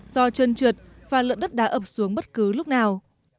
do trơn trượt và lượng đất đá ập xuống bất cứ lúc nào